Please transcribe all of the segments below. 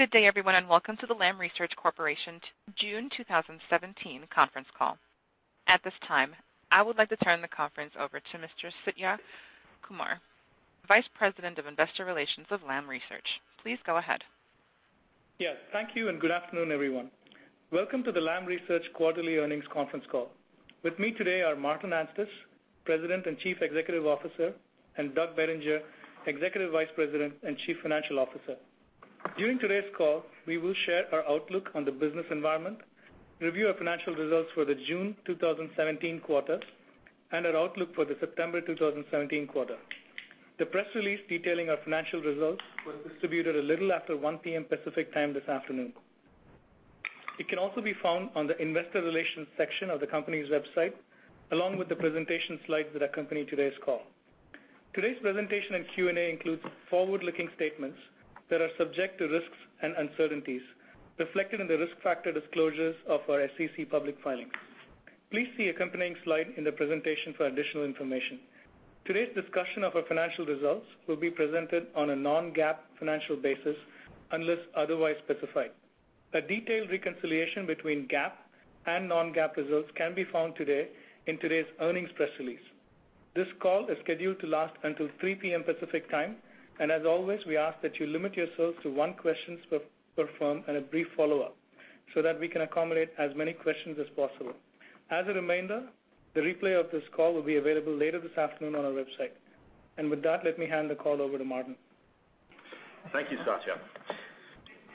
Good day everyone, welcome to the Lam Research Corporation June 2017 conference call. At this time, I would like to turn the conference over to Mr. Satya Kumar, Vice President of Investor Relations of Lam Research. Please go ahead. Yes, thank you, good afternoon, everyone. Welcome to the Lam Research quarterly earnings conference call. With me today are Martin Anstice, President and Chief Executive Officer, and Doug Bettinger, Executive Vice President and Chief Financial Officer. During today's call, we will share our outlook on the business environment, review our financial results for the June 2017 quarter, and our outlook for the September 2017 quarter. The press release detailing our financial results was distributed a little after 1:00 P.M. Pacific Time this afternoon. It can also be found on the investor relations section of the company's website, along with the presentation slides that accompany today's call. Today's presentation and Q&A includes forward-looking statements that are subject to risks and uncertainties reflected in the risk factor disclosures of our SEC public filings. Please see accompanying slide in the presentation for additional information. Today's discussion of our financial results will be presented on a non-GAAP financial basis unless otherwise specified. A detailed reconciliation between GAAP and non-GAAP results can be found today in today's earnings press release. This call is scheduled to last until 3:00 P.M. Pacific Time, as always, we ask that you limit yourselves to one question per firm and a brief follow-up so that we can accommodate as many questions as possible. As a reminder, the replay of this call will be available later this afternoon on our website. With that, let me hand the call over to Martin. Thank you, Satya.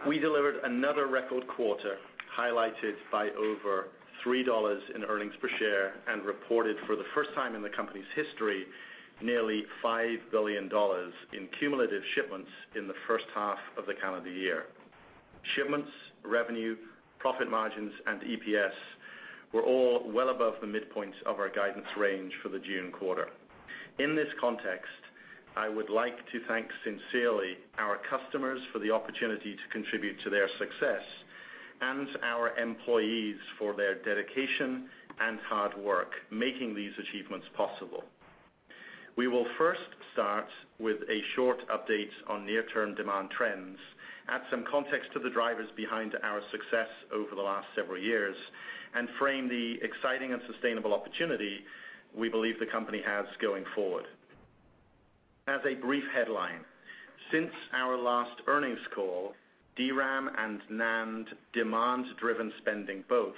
We delivered another record quarter highlighted by over $3 in earnings per share and reported for the first time in the company's history, nearly $5 billion in cumulative shipments in the first half of the calendar year. Shipments, revenue, profit margins, and EPS were all well above the midpoint of our guidance range for the June quarter. In this context, I would like to thank sincerely our customers for the opportunity to contribute to their success and our employees for their dedication and hard work making these achievements possible. We will first start with a short update on near-term demand trends, add some context to the drivers behind our success over the last several years, and frame the exciting and sustainable opportunity we believe the company has going forward. As a brief headline, since our last earnings call, DRAM and NAND demand-driven spending both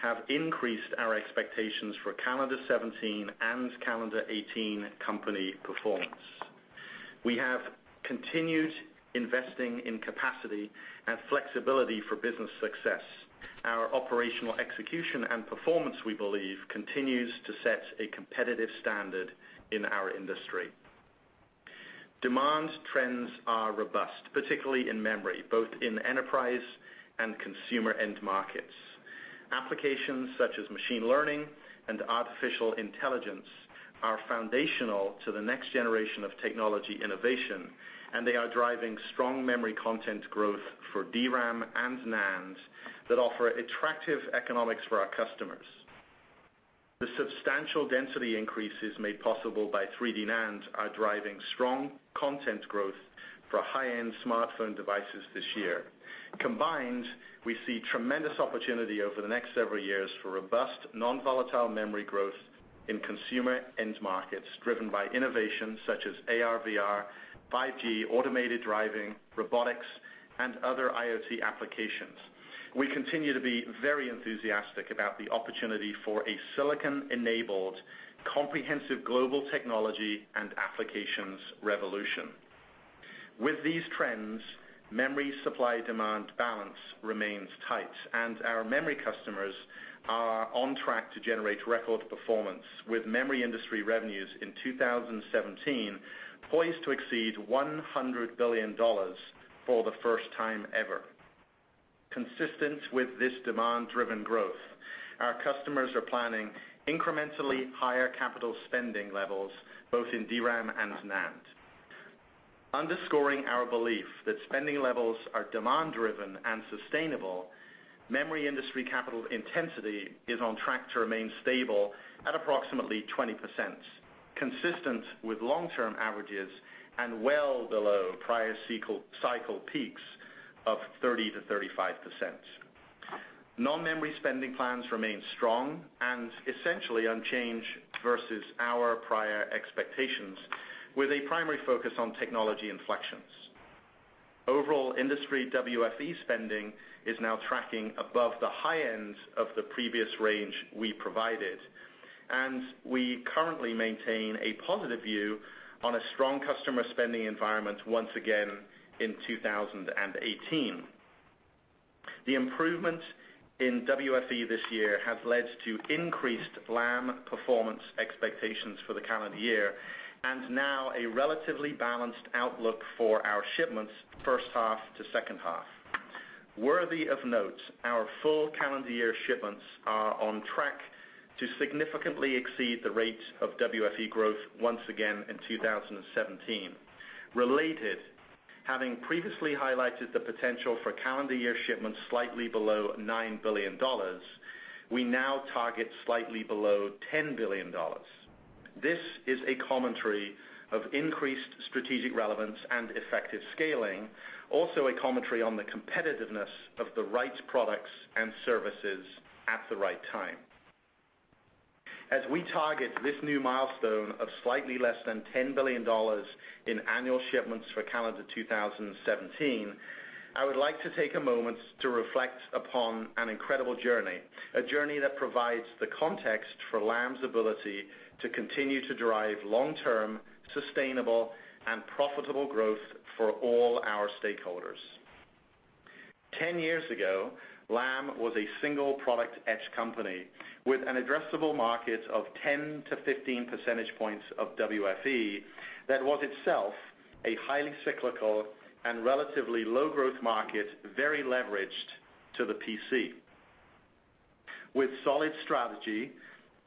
have increased our expectations for calendar 2017 and calendar 2018 company performance. We have continued investing in capacity and flexibility for business success. Our operational execution and performance, we believe, continues to set a competitive standard in our industry. Demand trends are robust, particularly in memory, both in enterprise and consumer end markets. Applications such as machine learning and artificial intelligence are foundational to the next generation of technology innovation, and they are driving strong memory content growth for DRAM and NAND that offer attractive economics for our customers. The substantial density increases made possible by 3D NAND are driving strong content growth for high-end smartphone devices this year. Combined, we see tremendous opportunity over the next several years for robust, non-volatile memory growth in consumer end markets, driven by innovations such as AR/VR, 5G, automated driving, robotics, and other IoT applications. We continue to be very enthusiastic about the opportunity for a silicon-enabled, comprehensive global technology and applications revolution. With these trends, memory supply-demand balance remains tight, and our memory customers are on track to generate record performance with memory industry revenues in 2017 poised to exceed $100 billion for the first time ever. Consistent with this demand-driven growth, our customers are planning incrementally higher capital spending levels both in DRAM and NAND. Underscoring our belief that spending levels are demand-driven and sustainable, memory industry capital intensity is on track to remain stable at approximately 20%, consistent with long-term averages and well below prior cycle peaks of 30%-35%. Non-memory spending plans remain strong and essentially unchanged versus our prior expectations, with a primary focus on technology inflections. Overall industry WFE spending is now tracking above the high end of the previous range we provided, and we currently maintain a positive view on a strong customer spending environment once again in 2018. The improvement in WFE this year has led to increased Lam performance expectations for the calendar year and now a relatively balanced outlook for our shipments first half to second half. Worthy of note, our full calendar year shipments are on track to significantly exceed the rate of WFE growth once again in 2017. Related, having previously highlighted the potential for calendar year shipments slightly below $9 billion, we now target slightly below $10 billion. This is a commentary of increased strategic relevance and effective scaling, also a commentary on the competitiveness of the right products and services at the right time. As we target this new milestone of slightly less than $10 billion in annual shipments for calendar 2017, I would like to take a moment to reflect upon an incredible journey, a journey that provides the context for Lam's ability to continue to drive long-term, sustainable, and profitable growth for all our stakeholders. 10 years ago, Lam was a single-product etch company with an addressable market of 10 to 15 percentage points of WFE that was itself a highly cyclical and relatively low-growth market, very leveraged to the PC. With solid strategy,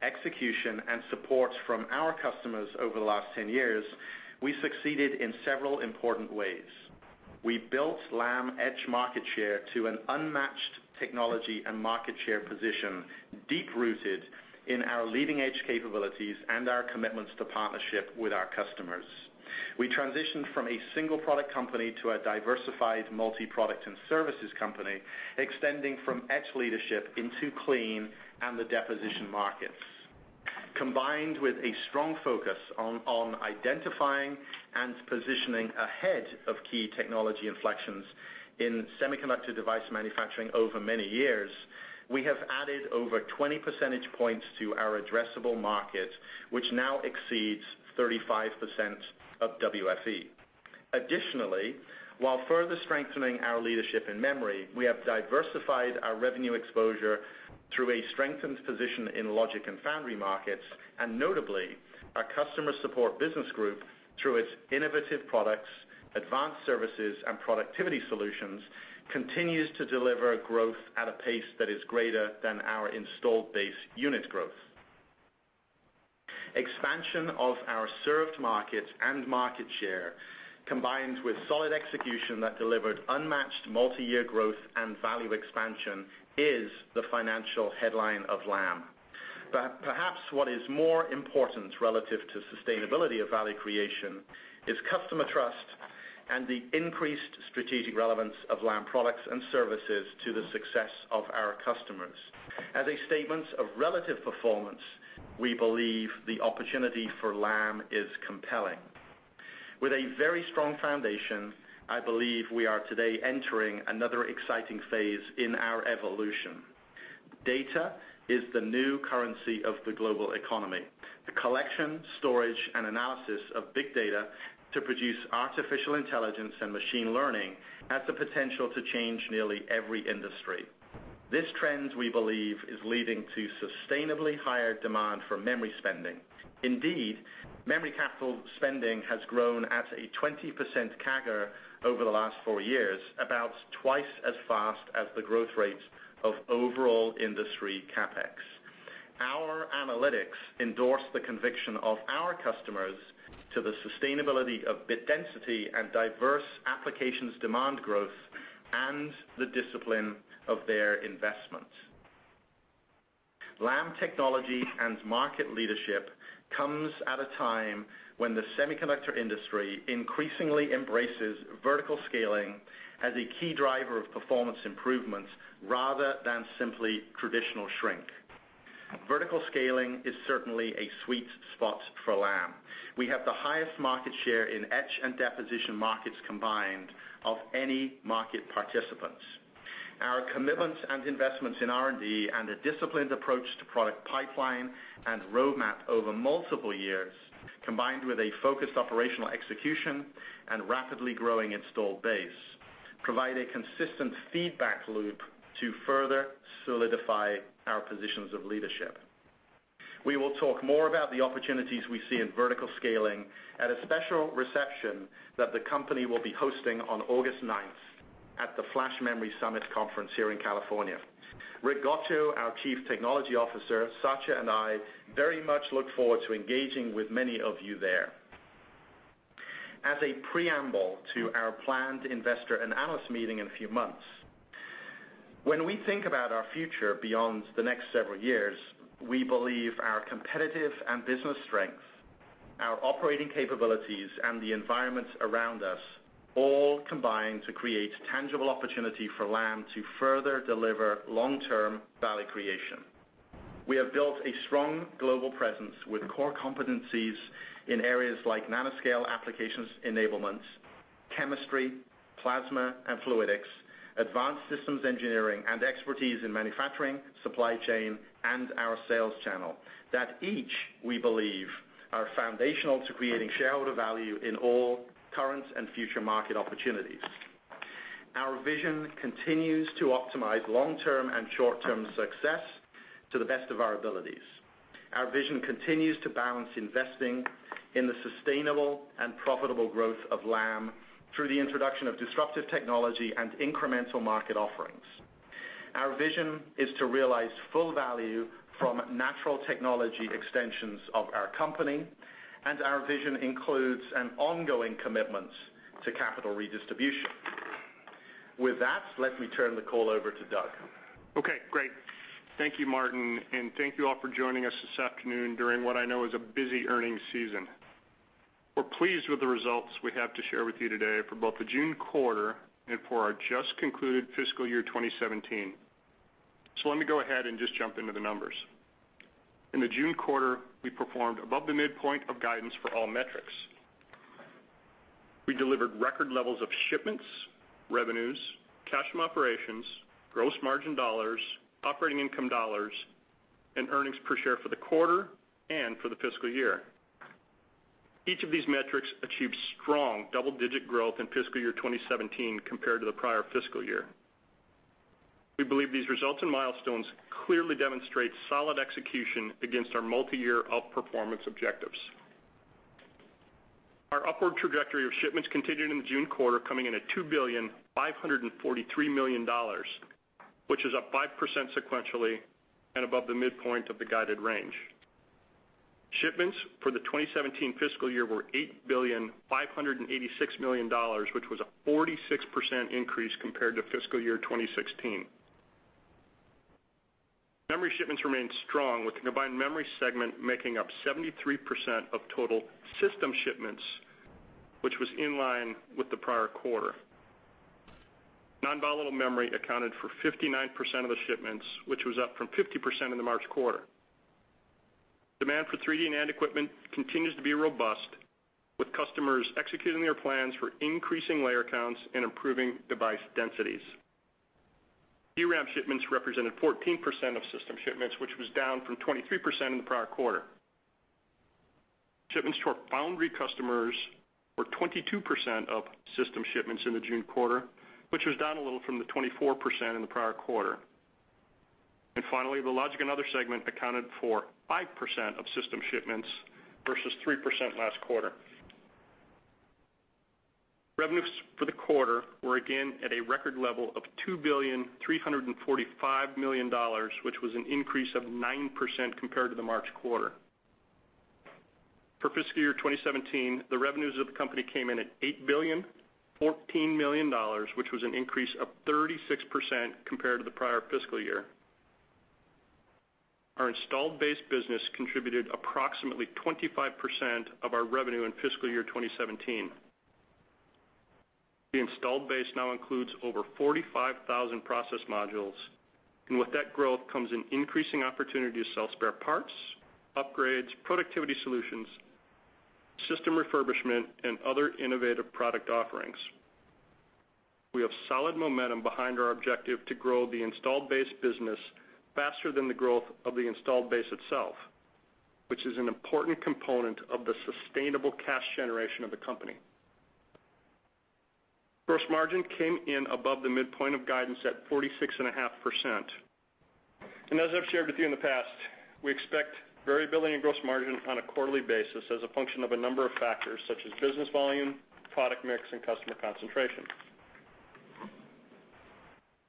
execution, and support from our customers over the last 10 years, we succeeded in several important ways. We built Lam etch market share to an unmatched technology and market share position, deep-rooted in our leading-edge capabilities and our commitments to partnership with our customers. We transitioned from a single-product company to a diversified multi-product and services company, extending from etch leadership into clean and the deposition markets. Combined with a strong focus on identifying and positioning ahead of key technology inflections in semiconductor device manufacturing over many years, we have added over 20 percentage points to our addressable market, which now exceeds 35% of WFE. Additionally, while further strengthening our leadership in memory, we have diversified our revenue exposure through a strengthened position in logic and foundry markets, and notably, our customer support business group through its innovative products, advanced services, and productivity solutions, continues to deliver growth at a pace that is greater than our installed base unit growth. Perhaps what is more important relative to sustainability of value creation is customer trust and the increased strategic relevance of Lam products and services to the success of our customers. As a statement of relative performance, we believe the opportunity for Lam is compelling. With a very strong foundation, I believe we are today entering another exciting phase in our evolution. Data is the new currency of the global economy. The collection, storage, and analysis of big data to produce artificial intelligence and machine learning has the potential to change nearly every industry. This trend, we believe, is leading to sustainably higher demand for memory spending. Indeed, memory capital spending has grown at a 20% CAGR over the last four years, about twice as fast as the growth rate of overall industry CapEx. Our analytics endorse the conviction of our customers to the sustainability of bit density and diverse applications demand growth, and the discipline of their investments. Lam technology and market leadership comes at a time when the semiconductor industry increasingly embraces vertical scaling as a key driver of performance improvements rather than simply traditional shrink. Vertical scaling is certainly a sweet spot for Lam. We have the highest market share in etch and deposition markets combined of any market participants. Our commitments and investments in R&D and a disciplined approach to product pipeline and roadmap over multiple years, combined with a focused operational execution and rapidly growing installed base, provide a consistent feedback loop to further solidify our positions of leadership. We will talk more about the opportunities we see in vertical scaling at a special reception that the company will be hosting on August 9th at the Flash Memory Summit conference here in California. Rick Gottscho, our Chief Technology Officer, Satya and I very much look forward to engaging with many of you there. As a preamble to our planned investor and analyst meeting in a few months, when we think about our future beyond the next several years, we believe our competitive and business strength, our operating capabilities, and the environment around us all combine to create tangible opportunity for Lam to further deliver long-term value creation. We have built a strong global presence with core competencies in areas like nanoscale applications enablement, chemistry, plasma and fluidics, advanced systems engineering, and expertise in manufacturing, supply chain, and our sales channel that each, we believe, are foundational to creating shareholder value in all current and future market opportunities. Our vision continues to optimize long-term and short-term success to the best of our abilities. Our vision continues to balance investing in the sustainable and profitable growth of Lam through the introduction of disruptive technology and incremental market offerings. Our vision is to realize full value from natural technology extensions of our company. Our vision includes an ongoing commitment to capital redistribution. With that, let me turn the call over to Doug. Okay, great. Thank you, Martin, and thank you all for joining us this afternoon during what I know is a busy earnings season. We're pleased with the results we have to share with you today for both the June quarter and for our just concluded fiscal year 2017. Let me go ahead and just jump into the numbers. In the June quarter, we performed above the midpoint of guidance for all metrics. We delivered record levels of shipments, revenues, cash from operations, gross margin dollars, operating income dollars, and earnings per share for the quarter and for the fiscal year. Each of these metrics achieved strong double-digit growth in fiscal year 2017 compared to the prior fiscal year. We believe these results and milestones clearly demonstrate solid execution against our multi-year outperformance objectives. Our upward trajectory of shipments continued in the June quarter, coming in at $2,543,000,000, which is up 5% sequentially and above the midpoint of the guided range. Shipments for the 2017 fiscal year were $8,586,000,000, which was a 46% increase compared to fiscal year 2016. Memory shipments remained strong with the combined memory segment making up 73% of total system shipments, which was in line with the prior quarter. Non-volatile memory accounted for 59% of the shipments, which was up from 50% in the March quarter. Demand for 3D NAND equipment continues to be robust, with customers executing their plans for increasing layer counts and improving device densities. DRAM shipments represented 14% of system shipments, which was down from 23% in the prior quarter. Shipments to our foundry customers were 22% of system shipments in the June quarter, which was down a little from the 24% in the prior quarter. Finally, the logic and other segment accounted for 5% of system shipments versus 3% last quarter. Revenues for the quarter were again at a record level of $2,345,000,000, which was an increase of 9% compared to the March quarter. For fiscal year 2017, the revenues of the company came in at $8,014,000,000, which was an increase of 36% compared to the prior fiscal year. Our installed base business contributed approximately 25% of our revenue in fiscal year 2017. The installed base now includes over 45,000 process modules, and with that growth comes an increasing opportunity to sell spare parts, upgrades, productivity solutions, system refurbishment, and other innovative product offerings. We have solid momentum behind our objective to grow the installed base business faster than the growth of the installed base itself, which is an important component of the sustainable cash generation of the company. Gross margin came in above the midpoint of guidance at 46.5%. As I've shared with you in the past, we expect variability in gross margin on a quarterly basis as a function of a number of factors such as business volume, product mix, and customer concentration.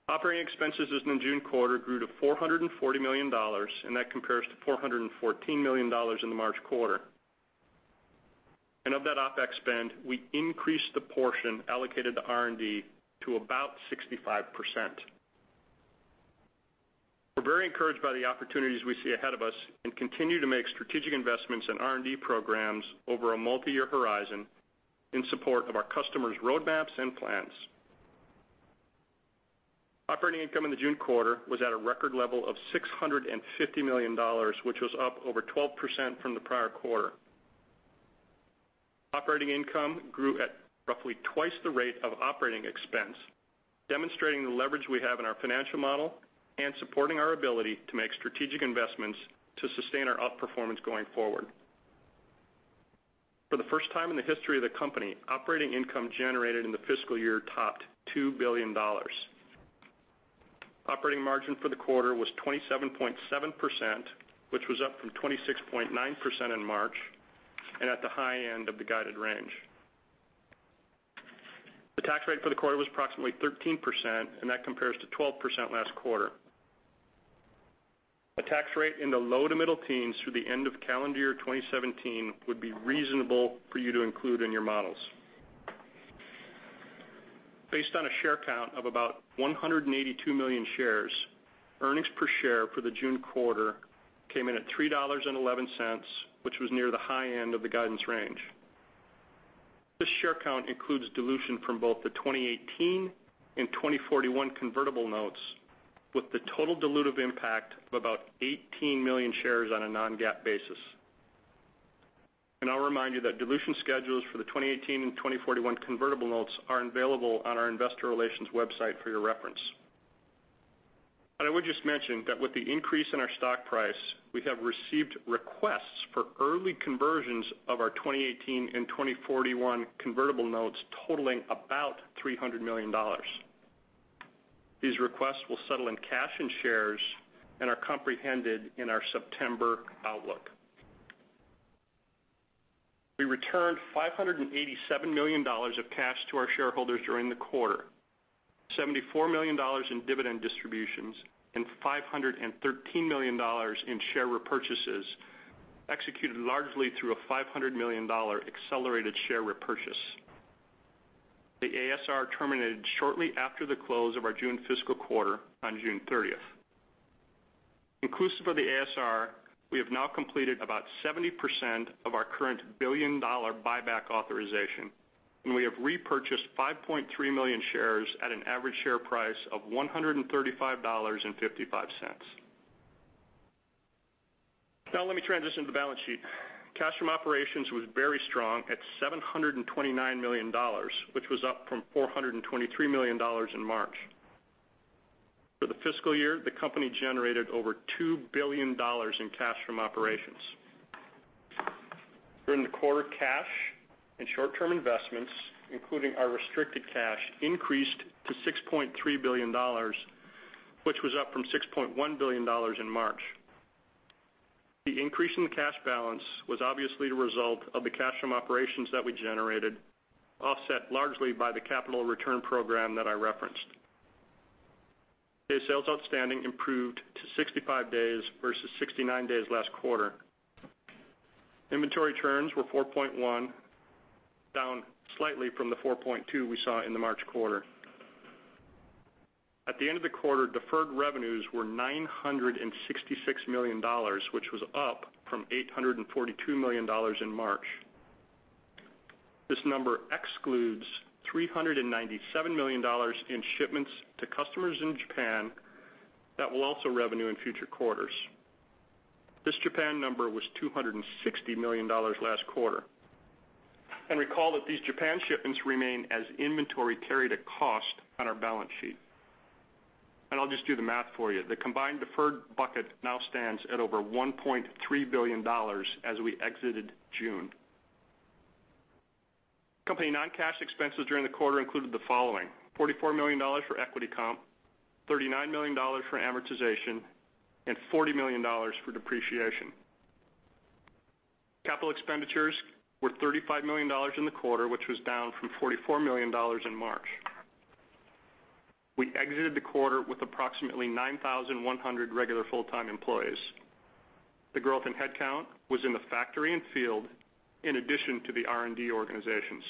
Operating expenses in the June quarter grew to $440 million, and that compares to $414 million in the March quarter. Of that OpEx spend, we increased the portion allocated to R&D to about 65%. We're very encouraged by the opportunities we see ahead of us and continue to make strategic investments in R&D programs over a multi-year horizon in support of our customers' roadmaps and plans. Operating income in the June quarter was at a record level of $650 million, which was up over 12% from the prior quarter. Operating income grew at roughly twice the rate of operating expense, demonstrating the leverage we have in our financial model and supporting our ability to make strategic investments to sustain our outperformance going forward. For the first time in the history of the company, operating income generated in the fiscal year topped $2 billion. Operating margin for the quarter was 27.7%, which was up from 26.9% in March, and at the high end of the guided range. The tax rate for the quarter was approximately 13%, and that compares to 12% last quarter. A tax rate in the low to middle teens through the end of calendar year 2017 would be reasonable for you to include in your models. Based on a share count of about 182 million shares, earnings per share for the June quarter came in at $3.11, which was near the high end of the guidance range. This share count includes dilution from both the 2018 and 2041 convertible notes, with the total dilutive impact of about 18 million shares on a non-GAAP basis. I'll remind you that dilution schedules for the 2018 and 2041 convertible notes are available on our investor relations website for your reference. I would just mention that with the increase in our stock price, we have received requests for early conversions of our 2018 and 2041 convertible notes totaling about $300 million. These requests will settle in cash and shares and are comprehended in our September outlook. We returned $587 million of cash to our shareholders during the quarter, $74 million in dividend distributions and $513 million in share repurchases executed largely through a $500 million accelerated share repurchase. The ASR terminated shortly after the close of our June fiscal quarter on June 30th. Inclusive of the ASR, we have now completed about 70% of our current billion-dollar buyback authorization. We have repurchased 5.3 million shares at an average share price of $135.55. Let me transition to the balance sheet. Cash from operations was very strong at $729 million, which was up from $423 million in March. For the fiscal year, the company generated over $2 billion in cash from operations. During the quarter, cash and short-term investments, including our restricted cash, increased to $6.3 billion, which was up from $6.1 billion in March. The increase in the cash balance was obviously the result of the cash from operations that we generated, offset largely by the capital return program that I referenced. Day sales outstanding improved to 65 days versus 69 days last quarter. Inventory turns were 4.1, down slightly from the 4.2 we saw in the March quarter. At the end of the quarter, deferred revenues were $966 million, which was up from $842 million in March. This number excludes $397 million in shipments to customers in Japan that will also revenue in future quarters. This Japan number was $260 million last quarter. Recall that these Japan shipments remain as inventory carried at cost on our balance sheet. I'll just do the math for you. The combined deferred bucket now stands at over $1.3 billion as we exited June. Company non-cash expenses during the quarter included the following: $44 million for equity comp, $39 million for amortization, and $40 million for depreciation. Capital expenditures were $35 million in the quarter, which was down from $44 million in March. We exited the quarter with approximately 9,100 regular full-time employees. The growth in headcount was in the factory and field, in addition to the R&D organizations.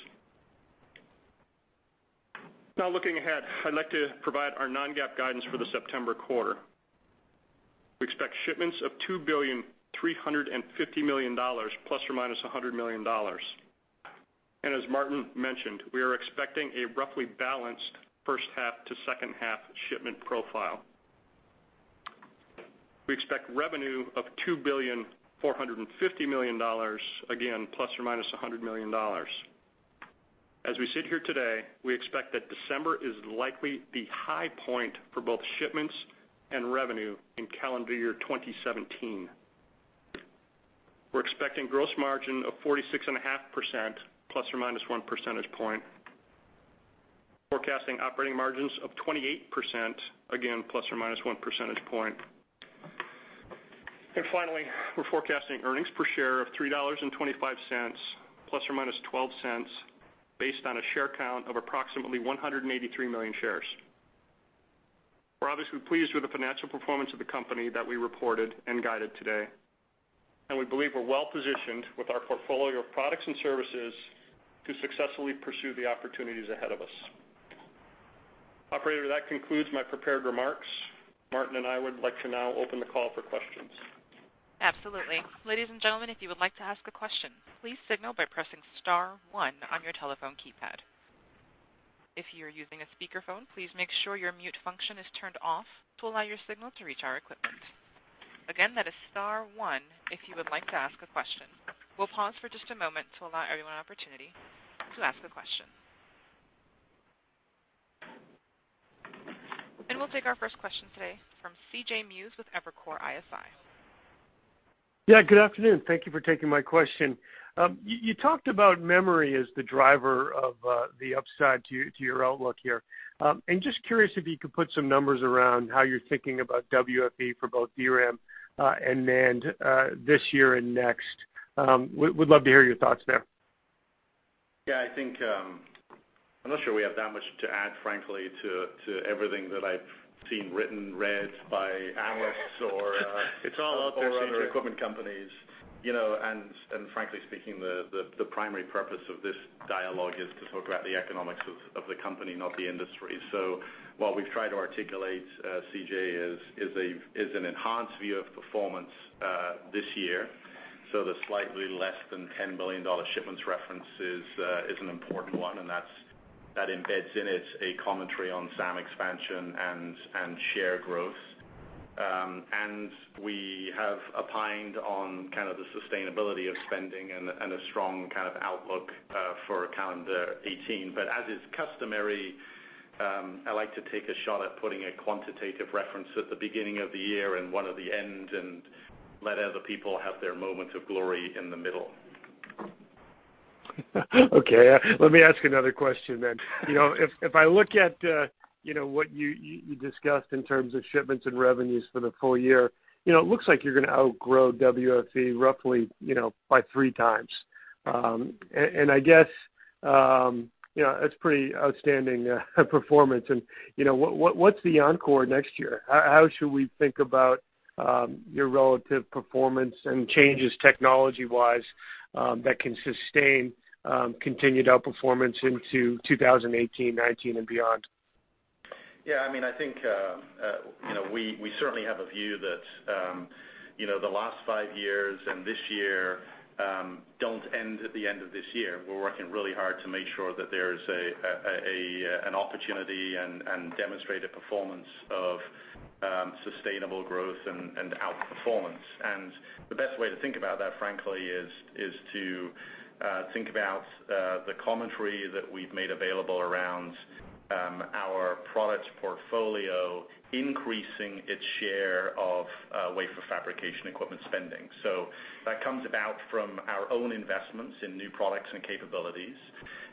Now looking ahead, I'd like to provide our non-GAAP guidance for the September quarter. We expect shipments of $2.35 billion ±$100 million. As Martin mentioned, we are expecting a roughly balanced first half to second half shipment profile. We expect revenue of $2.45 billion, again, ±$100 million. As we sit here today, we expect that December is likely the high point for both shipments and revenue in calendar year 2017. We're expecting gross margin of 46.5% ±one percentage point. Forecasting operating margins of 28%, again, ±one percentage point. Finally, we're forecasting earnings per share of $3.25 ±$0.12, based on a share count of approximately 183 million shares. We're obviously pleased with the financial performance of the company that we reported and guided today, and we believe we're well-positioned with our portfolio of products and services to successfully pursue the opportunities ahead of us. Operator, that concludes my prepared remarks. Martin and I would like to now open the call for questions. Absolutely. Ladies and gentlemen, if you would like to ask a question, please signal by pressing star one on your telephone keypad. If you're using a speakerphone, please make sure your mute function is turned off to allow your signal to reach our equipment. Again, that is star one if you would like to ask a question. We'll pause for just a moment to allow everyone an opportunity to ask a question. We'll take our first question today from C.J. Muse with Evercore ISI. Good afternoon. Thank you for taking my question. You talked about memory as the driver of the upside to your outlook here. I'm just curious if you could put some numbers around how you're thinking about WFE for both DRAM and NAND this year and next. We'd love to hear your thoughts there. I'm not sure we have that much to add, frankly, to everything that I've seen written, read by analysts. It's all out there, C.J. other equipment companies. Frankly speaking, the primary purpose of this dialogue is to talk about the economics of the company, not the industry. What we've tried to articulate, C.J., is an enhanced view of performance this year. The slightly less than $10 billion shipments reference is an important one, and that embeds in it a commentary on SAM expansion and share growth. We have opined on the sustainability of spending and a strong outlook for calendar 2018. As is customary, I like to take a shot at putting a quantitative reference at the beginning of the year and one at the end and let other people have their moment of glory in the middle. Okay. Let me ask another question then. If I look at what you discussed in terms of shipments and revenues for the full year, it looks like you're going to outgrow WFE roughly by three times. I guess, it's pretty outstanding performance. What's the encore next year? How should we think about your relative performance and changes technology-wise, that can sustain continued outperformance into 2018, 2019, and beyond? Yeah, I think, we certainly have a view that the last five years and this year, don't end at the end of this year. We're working really hard to make sure that there's an opportunity, and demonstrate a performance of sustainable growth and outperformance. The best way to think about that, frankly, is to think about the commentary that we've made available around our products portfolio, increasing its share of wafer fabrication equipment spending. That comes about from our own investments in new products and capabilities,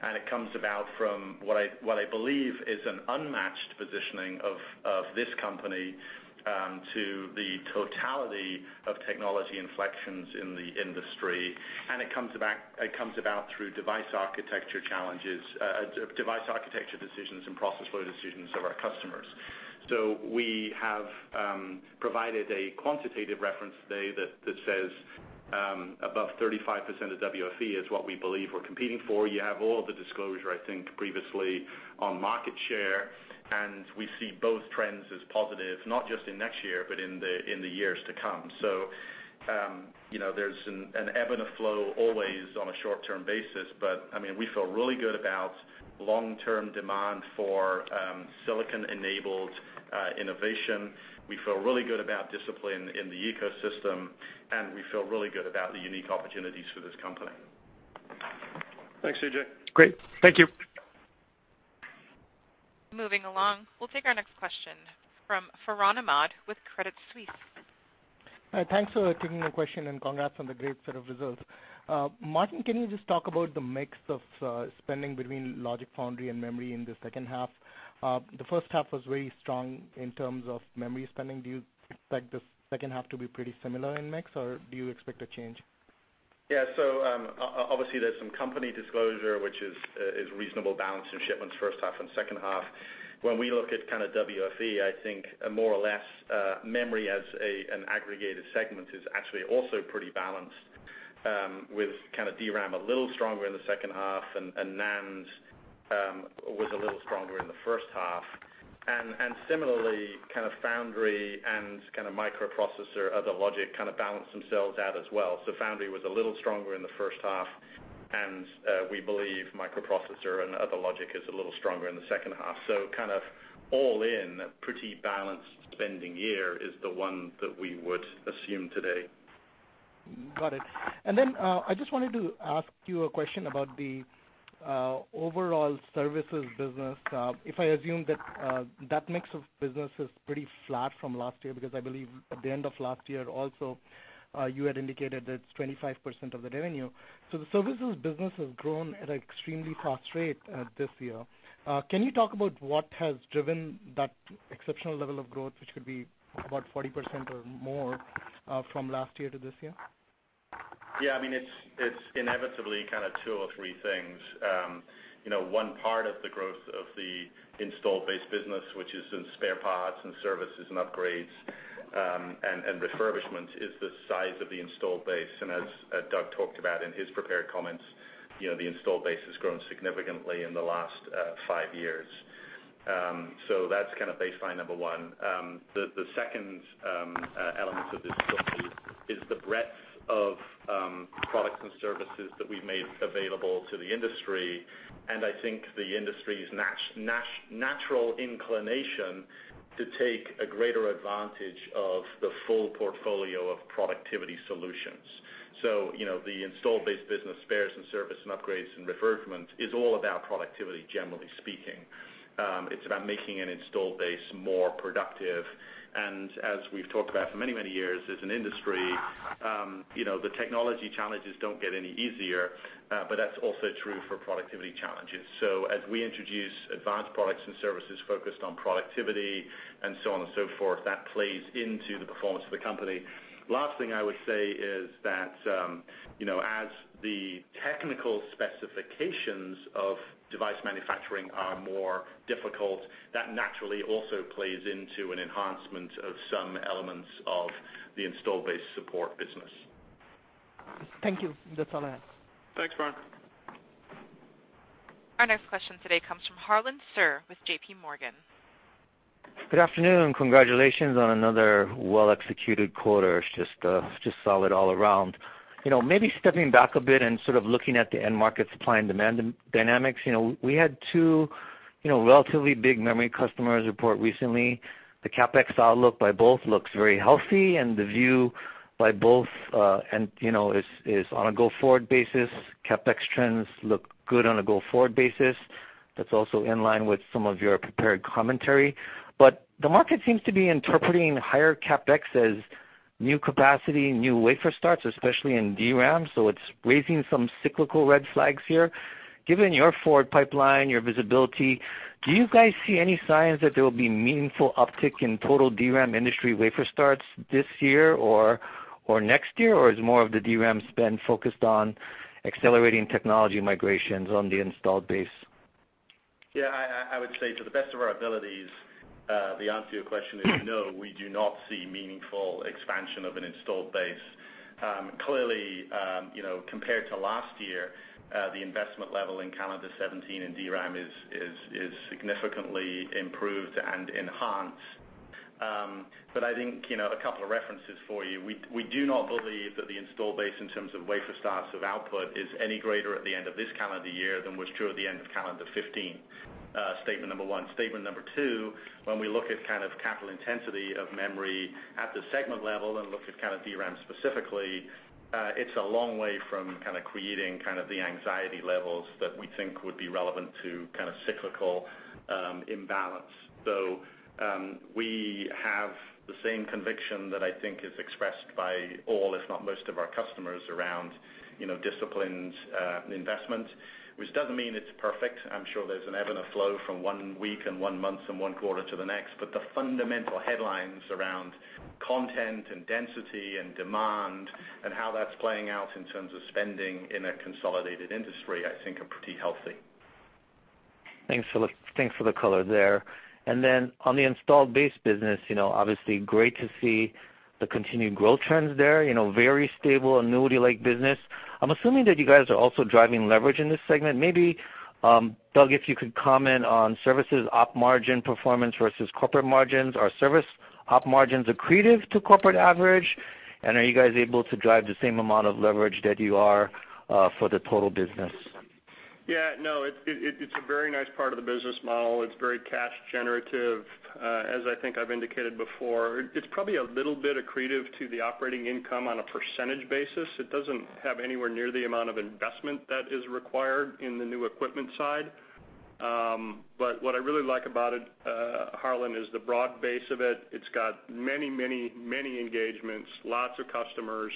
and it comes about from what I believe is an unmatched positioning of this company, to the totality of technology inflections in the industry. It comes about through device architecture challenges, device architecture decisions and process flow decisions of our customers. We have provided a quantitative reference today that says above 35% of WFE is what we believe we're competing for. You have all the disclosure, I think, previously on market share, and we see both trends as positive, not just in next year, but in the years to come. There's an ebb and a flow always on a short-term basis, but we feel really good about long-term demand for silicon-enabled innovation. We feel really good about discipline in the ecosystem, and we feel really good about the unique opportunities for this company. Thanks, CJ. Great. Thank you. Moving along. We'll take our next question from Farhan Ahmad with Credit Suisse. Thanks for taking my question, congrats on the great set of results. Martin, can you just talk about the mix of spending between logic foundry and memory in the second half? The first half was very strong in terms of memory spending. Do you expect the second half to be pretty similar in mix, or do you expect a change? Yeah. Obviously there's some company disclosure, which is reasonable balance in shipments first half and second half. When we look at kind of WFE, I think more or less, memory as an aggregated segment is actually also pretty balanced, with kind of DRAM a little stronger in the second half and NAND was a little stronger in the first half. Similarly, kind of foundry and kind of microprocessor, other logic kind of balance themselves out as well. Foundry was a little stronger in the first half, we believe microprocessor and other logic is a little stronger in the second half. Kind of all in, pretty balanced spending year is the one that we would assume today. Got it. I just wanted to ask you a question about the overall services business. If I assume that mix of business is pretty flat from last year, because I believe at the end of last year also, you had indicated that it's 25% of the revenue. The services business has grown at an extremely fast rate this year. Can you talk about what has driven that exceptional level of growth, which could be about 40% or more, from last year to this year? Yeah. It's inevitably kind of two or three things. One part of the growth of the installed base business, which is in spare parts and services and upgrades, and refurbishments, is the size of the installed base. As Doug talked about in his prepared comments, the installed base has grown significantly in the last five years. That's kind of baseline number 1. The second element of this story is the breadth of products and services that we've made available to the industry, and I think the industry's natural inclination to take a greater advantage of the full portfolio of productivity solutions. The installed base business spares and service and upgrades and refurbishments is all about productivity, generally speaking. It's about making an installed base more productive. As we've talked about for many years as an industry, the technology challenges don't get any easier, but that's also true for productivity challenges. As we introduce advanced products and services focused on productivity and so on and so forth, that plays into the performance of the company. Last thing I would say is that, as the technical specifications of device manufacturing are more difficult, that naturally also plays into an enhancement of some elements of the install base support business. Thank you. That's all I have. Thanks, Farhan. Our next question today comes from Harlan Sur with J.P. Morgan. Good afternoon. Congratulations on another well-executed quarter. It's just solid all around. Maybe stepping back a bit and sort of looking at the end market supply and demand dynamics. We had two relatively big memory customers report recently. The CapEx outlook by both looks very healthy, and the view by both, is on a go-forward basis, CapEx trends look good on a go-forward basis. That's also in line with some of your prepared commentary. The market seems to be interpreting higher CapEx as new capacity, new wafer starts, especially in DRAM, so it's raising some cyclical red flags here. Given your forward pipeline, your visibility, do you guys see any signs that there will be meaningful uptick in total DRAM industry wafer starts this year or next year? Is more of the DRAM spend focused on accelerating technology migrations on the installed base? I would say to the best of our abilities, the answer to your question is no, we do not see meaningful expansion of an installed base. Clearly, compared to last year, the investment level in calendar 2017 in DRAM is significantly improved and enhanced. I think, a couple of references for you. We do not believe that the install base in terms of wafer starts of output is any greater at the end of this calendar year than was true at the end of calendar 2015. Statement number one. Statement number two, when we look at capital intensity of memory at the segment level and look at DRAM specifically, it's a long way from creating the anxiety levels that we think would be relevant to cyclical imbalance. We have the same conviction that I think is expressed by all, if not most of our customers around disciplined investment, which doesn't mean it's perfect. I'm sure there's an ebb and a flow from one week and one month and one quarter to the next, the fundamental headlines around content and density and demand and how that's playing out in terms of spending in a consolidated industry, I think are pretty healthy. Thanks for the color there. Then on the installed base business, obviously great to see the continued growth trends there, very stable annuity-like business. I'm assuming that you guys are also driving leverage in this segment. Maybe, Doug, if you could comment on services op margin performance versus corporate margins. Are service op margins accretive to corporate average? Are you guys able to drive the same amount of leverage that you are, for the total business? Yeah. No, it's a very nice part of the business model. It's very cash generative. As I think I've indicated before, it's probably a little bit accretive to the operating income on a percentage basis. It doesn't have anywhere near the amount of investment that is required in the new equipment side. What I really like about it, Harlan, is the broad base of it. It's got many engagements, lots of customers.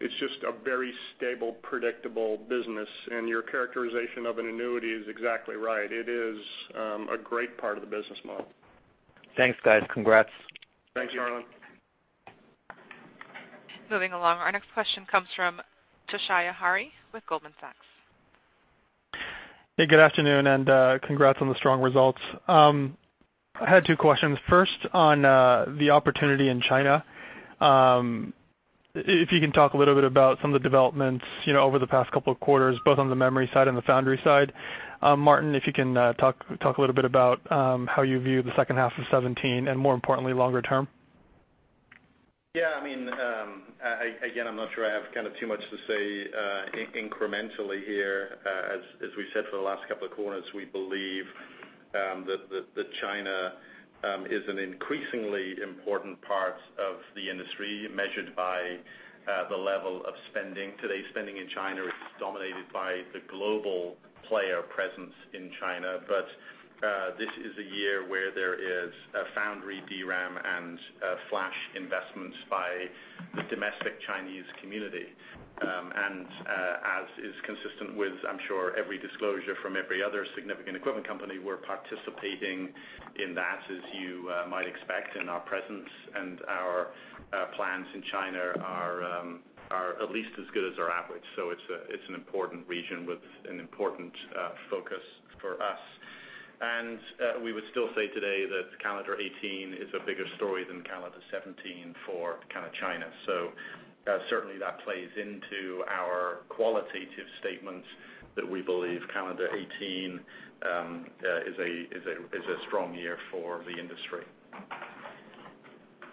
It's just a very stable, predictable business, and your characterization of an annuity is exactly right. It is a great part of the business model. Thanks, guys. Congrats. Thanks, Harlan. Thank you. Moving along. Our next question comes from Toshiya Hari with Goldman Sachs. Hey, good afternoon. Congrats on the strong results. I had two questions. First, on the opportunity in China. If you can talk a little bit about some of the developments over the past couple of quarters, both on the memory side and the foundry side. Martin, if you can talk a little bit about how you view the second half of 2017 and more importantly, longer term. Yeah. Again, I'm not sure I have too much to say incrementally here. As we said for the last couple of quarters, we believe that China is an increasingly important part of the industry, measured by the level of spending. Today's spending in China is dominated by the global player presence in China. This is a year where there is a foundry DRAM and flash investments by the domestic Chinese community. As is consistent with, I'm sure, every disclosure from every other significant equipment company, we're participating in that, as you might expect, and our presence and our plans in China are at least as good as our average. It's an important region with an important focus for us. We would still say today that calendar 2018 is a bigger story than calendar 2017 for China. Certainly, that plays into our qualitative statements that we believe calendar 2018 is a strong year for the industry.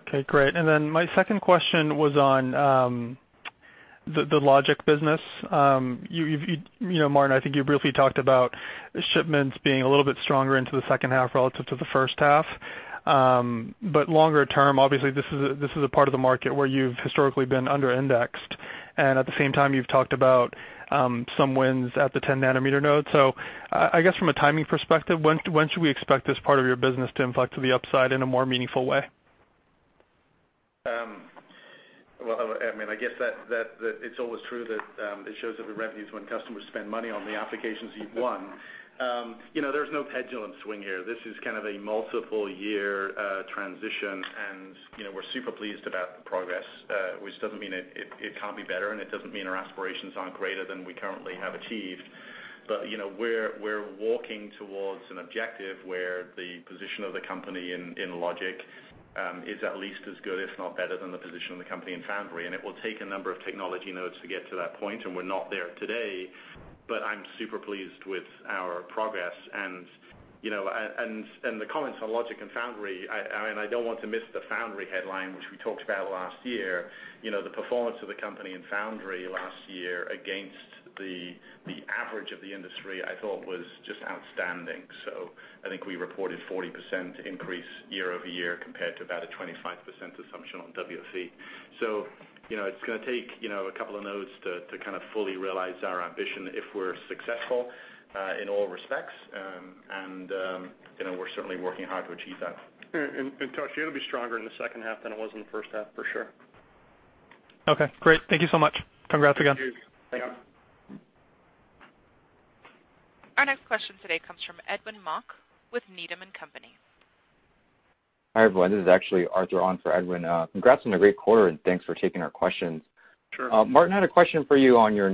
Okay, great. My second question was on the logic business. Martin, I think you briefly talked about shipments being a little bit stronger into the second half relative to the first half. Longer term, obviously, this is a part of the market where you've historically been under-indexed, and at the same time, you've talked about some wins at the 10 nanometer node. I guess from a timing perspective, when should we expect this part of your business to impact to the upside in a more meaningful way? Well, I guess that it's always true that it shows up in revenues when customers spend money on the applications you've won. There's no pendulum swing here. This is a multiple year transition, and we're super pleased about the progress, which doesn't mean it can't be better, and it doesn't mean our aspirations aren't greater than we currently have achieved. We're walking towards an objective where the position of the company in logic is at least as good, if not better, than the position of the company in foundry, and it will take a number of technology nodes to get to that point, and we're not there today, but I'm super pleased with our progress. The comments on logic and foundry, I don't want to miss the foundry headline, which we talked about last year. The performance of the company in foundry last year against the average of the industry, I thought was just outstanding. I think we reported 40% increase year-over-year compared to about a 25% assumption on WFE. It's going to take a couple of nodes to kind of fully realize our ambition if we're successful in all respects, and we're certainly working hard to achieve that. Toshiya, it'll be stronger in the second half than it was in the first half, for sure. Okay, great. Thank you so much. Congrats again. Thank you. Our next question today comes from Edwin Mok with Needham & Company. Hi, everyone. This is actually Arthur on for Edwin. Congrats on a great quarter, and thanks for taking our questions. Sure. Martin, I had a question for you on your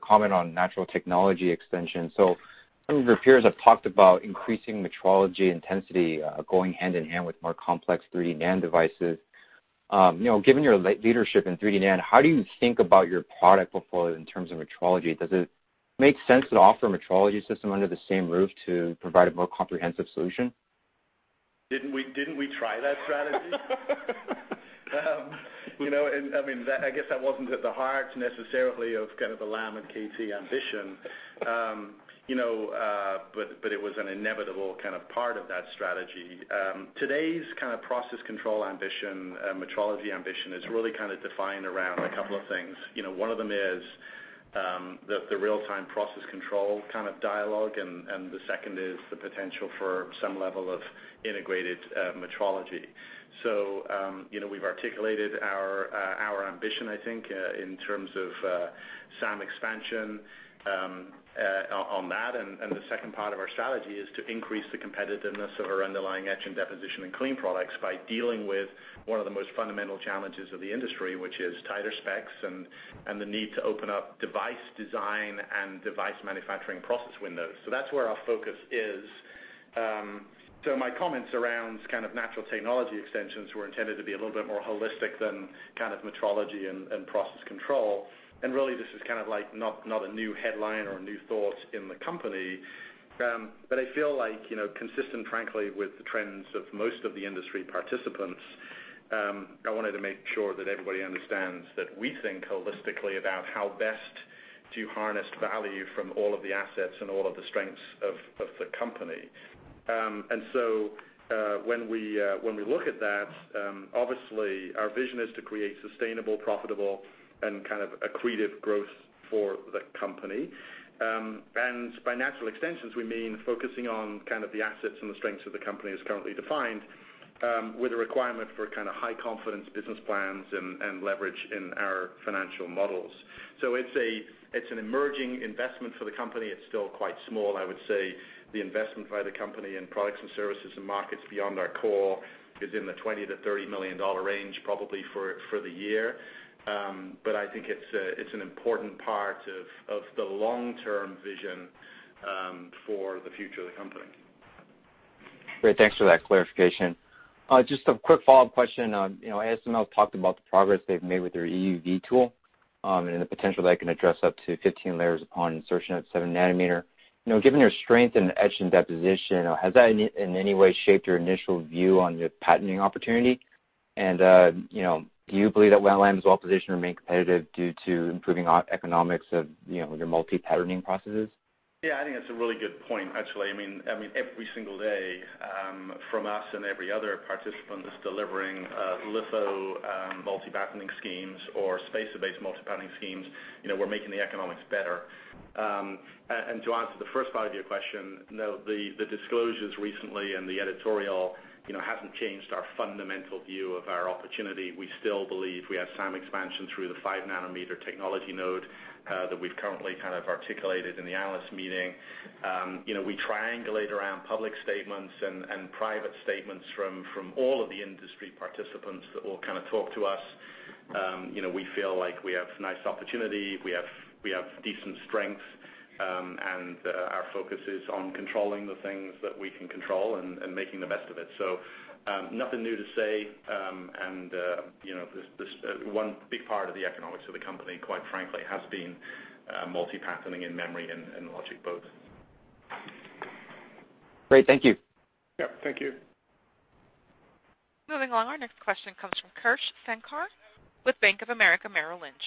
comment on natural technology extension. Some of your peers have talked about increasing metrology intensity, going hand in hand with more complex 3D NAND devices. Given your leadership in 3D NAND, how do you think about your product portfolio in terms of metrology? Does it make sense to offer a metrology system under the same roof to provide a more comprehensive solution? Didn't we try that strategy? I guess that wasn't at the heart necessarily of kind of the Lam and K.T. ambition. It was an inevitable kind of part of that strategy. Today's kind of process control ambition, metrology ambition, is really kind of defined around a couple of things. One of them is the real-time process control kind of dialogue, and the second is the potential for some level of integrated metrology. We've articulated our ambition, I think, in terms of SAM expansion on that, and the second part of our strategy is to increase the competitiveness of our underlying etch and deposition and clean products by dealing with one of the most fundamental challenges of the industry, which is tighter specs and the need to open up device design and device manufacturing process windows. That's where our focus is. My comments around kind of natural technology extensions were intended to be a little bit more holistic than kind of metrology and process control, and really this is kind of not a new headline or a new thought in the company. I feel like consistent, frankly, with the trends of most of the industry participants, I wanted to make sure that everybody understands that we think holistically about how best to harness value from all of the assets and all of the strengths of the company. When we look at that, obviously our vision is to create sustainable, profitable, and kind of accretive growth for the company. By natural extensions, we mean focusing on kind of the assets and the strengths that the company has currently defined, with a requirement for kind of high confidence business plans and leverage in our financial models. It's an emerging investment for the company. It's still quite small. I would say the investment by the company in products and services and markets beyond our core is in the $20 million-$30 million range probably for the year. I think it's an important part of the long-term vision for the future of the company. Great. Thanks for that clarification. Just a quick follow-up question. ASML talked about the progress they've made with their EUV tool, and the potential that it can address up to 15 layers upon insertion at seven nanometer. Given your strength in etch and deposition, has that in any way shaped your initial view on the patterning opportunity? Do you believe that Lam is well positioned to remain competitive due to improving economics of your multi-patterning processes? Yeah, I think that's a really good point, actually. Every single day, from us and every other participant that's delivering litho multi-patterning schemes or spacer-based multi-patterning schemes, we're making the economics better. To answer the first part of your question, no, the disclosures recently and the editorial hasn't changed our fundamental view of our opportunity. We still believe we have SAM expansion through the five-nanometer technology node that we've currently kind of articulated in the analyst meeting. We triangulate around public statements and private statements from all of the industry participants that all kind of talk to us. We feel like we have nice opportunity, we have decent strength, and our focus is on controlling the things that we can control and making the best of it. Nothing new to say. One big part of the economics of the company, quite frankly, has been multi-patterning in memory and logic both. Great. Thank you. Yeah. Thank you. Moving along, our next question comes from Krish Sankar with Bank of America Merrill Lynch.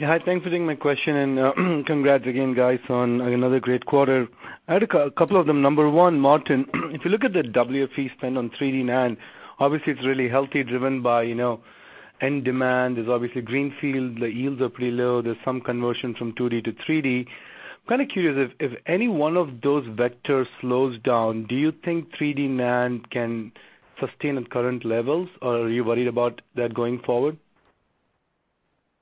Hi, thanks for taking my question, and congrats again, guys, on another great quarter. I had a couple of them. Number one, Martin, if you look at the WFE spend on 3D NAND, obviously it's really healthy, driven by end demand. There's obviously greenfield, the yields are pretty low. There's some conversion from 2D to 3D. I'm kind of curious, if any one of those vectors slows down, do you think 3D NAND can sustain at current levels? Are you worried about that going forward?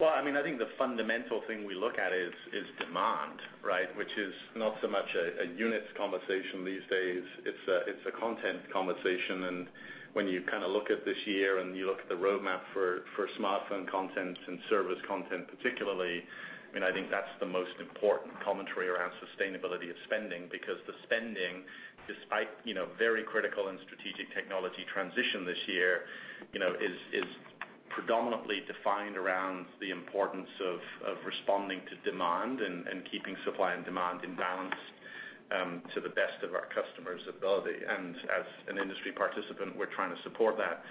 Well, I think the fundamental thing we look at is demand, right? Which is not so much a units conversation these days. It's a content conversation. When you kind of look at this year, you look at the roadmap for smartphone content and service content particularly, I think that's the most important commentary around sustainability of spending, because the spending, despite very critical and strategic technology transition this year, is predominantly defined around the importance of responding to demand and keeping supply and demand in balance to the best of our customers' ability. As an industry participant, we're trying to support that.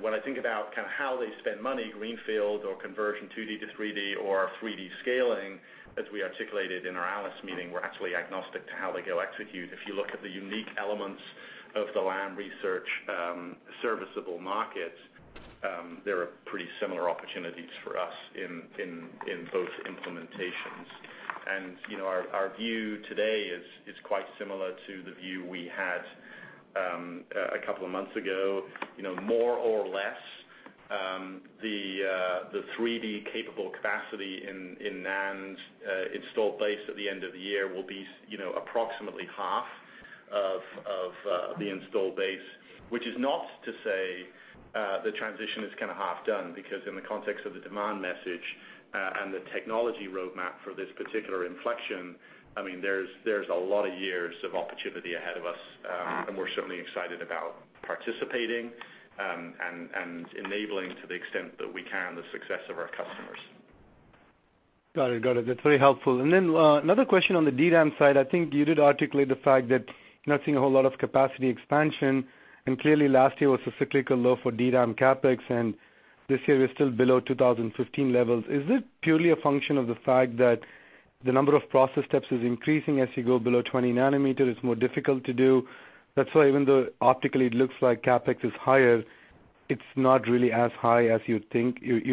When I think about kind of how they spend money, greenfield or conversion 2D to 3D or 3D scaling, as we articulated in our analyst meeting, we're actually agnostic to how they go execute. If you look at the unique elements of the Lam Research serviceable market, there are pretty similar opportunities for us in both implementations. Our view today is quite similar to the view we had a couple of months ago. More or less, the 3D capable capacity in NAND installed base at the end of the year will be approximately half of the installed base, which is not to say the transition is kind of half done, because in the context of the demand message and the technology roadmap for this particular inflection, there's a lot of years of opportunity ahead of us. We're certainly excited about participating and enabling, to the extent that we can, the success of our customers. Got it. That's very helpful. Then another question on the DRAM side. I think you did articulate the fact that you're not seeing a whole lot of capacity expansion, and clearly last year was a cyclical low for DRAM CapEx, and this year we're still below 2015 levels. Is this purely a function of the fact that the number of process steps is increasing as you go below 20 nanometer, it's more difficult to do? That's why even though optically it looks like CapEx is higher, it's not really as high as you'd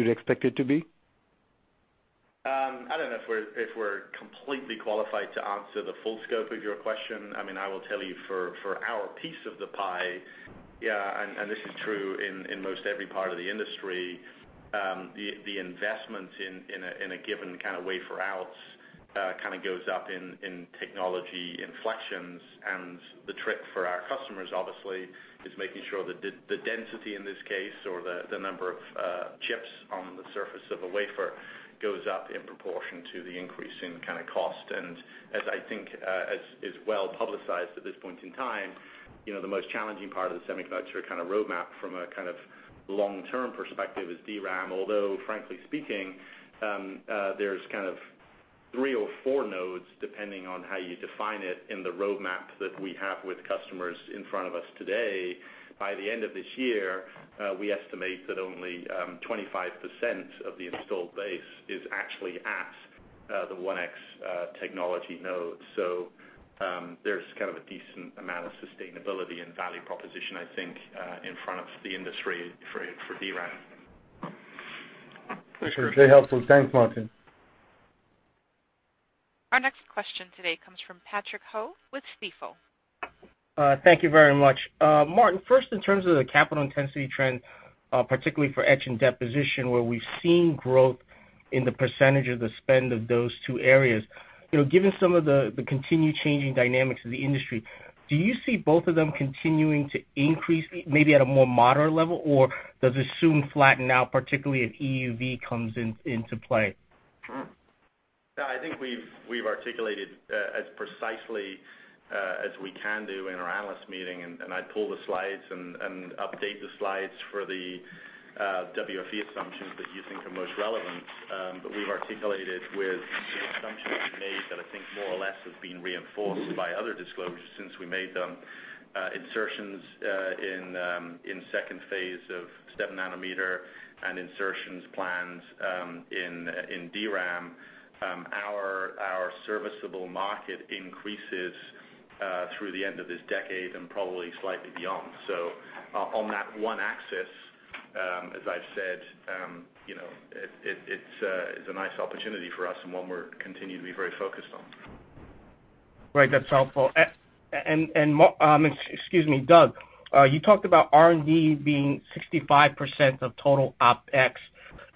expect it to be? I don't know if we're completely qualified to answer the full scope of your question. I will tell you for our piece of the pie, this is true in most every part of the industry, the investment in a given kind of wafer outs kind of goes up in technology inflections. The trick for our customers, obviously, is making sure the density in this case, or the number of chips on the surface of a wafer, goes up in proportion to the increase in kind of cost. As I think is well-publicized at this point in time, the most challenging part of the semiconductor kind of roadmap from a kind of long-term perspective is DRAM. Although, frankly speaking, there's kind of three or four nodes, depending on how you define it in the roadmap that we have with customers in front of us today. By the end of this year, we estimate that only 25% of the installed base is actually at the 1X technology node. There's kind of a decent amount of sustainability and value proposition, I think, in front of the industry for DRAM. That's very helpful. Thanks, Martin. Our next question today comes from Patrick Ho with Stifel. Thank you very much. Martin, first in terms of the capital intensity trend, particularly for etch and deposition, where we've seen growth in the percentage of the spend of those two areas. Given some of the continued changing dynamics of the industry, do you see both of them continuing to increase, maybe at a more moderate level? Does this soon flatten out, particularly as EUV comes into play? I think we've articulated as precisely as we can do in our analyst meeting, and I'd pull the slides and update the slides for the WFE assumptions that you think are most relevant. We've articulated with the assumptions we've made that I think more or less have been reinforced by other disclosures since we made them, insertions in second phase of step nanometer and insertions plans in DRAM. Our serviceable market increases through the end of this decade and probably slightly beyond. On that one axis, as I've said, it's a nice opportunity for us and one we're continuing to be very focused on. Right. That's helpful. Excuse me, Doug, you talked about R&D being 65% of total OpEx.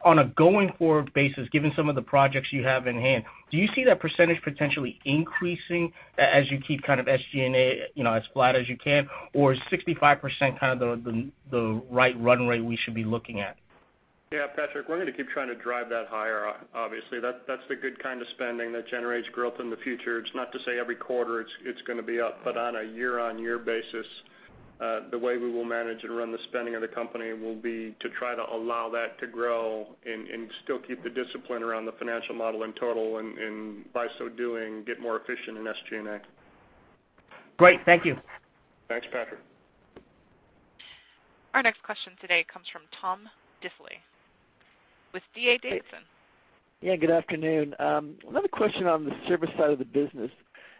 On a going-forward basis, given some of the projects you have in hand, do you see that percentage potentially increasing as you keep kind of SG&A as flat as you can, or is 65% kind of the right run rate we should be looking at? Yeah, Patrick, we're going to keep trying to drive that higher, obviously. That's the good kind of spending that generates growth in the future. It's not to say every quarter it's going to be up, but on a year-on-year basis, the way we will manage and run the spending of the company will be to try to allow that to grow and still keep the discipline around the financial model in total, and by so doing, get more efficient in SG&A. Great. Thank you. Thanks, Patrick. Our next question today comes from Tom Diffely with D.A. Davidson. Yeah, good afternoon. Another question on the service side of the business.